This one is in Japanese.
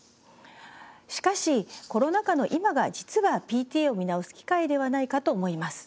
しかし、コロナ禍の今が実は、ＰＴＡを見直す機会ではないかと思います。